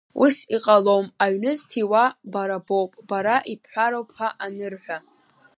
Ус иҟалом, аҩны зҭиуа, бара боуп, бара ибҳәароуп ҳәа анырҳәа…